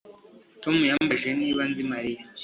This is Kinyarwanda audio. Tom yambajije niba nzi Mariya